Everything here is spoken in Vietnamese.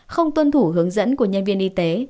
không tuân thủ hướng dẫn của nhân viên y tế